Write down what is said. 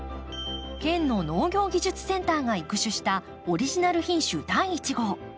県の農業技術センターが育種したオリジナル品種第一号。